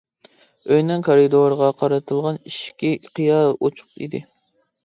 ئۆينىڭ كارىدورغا قارىتىلغان ئىشىكى قىيا ئوچۇق ئىدى.